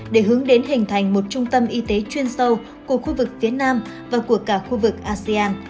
để hướng đến hình thành một trung tâm y tế chuyên sâu của khu vực phía nam và của cả khu vực asean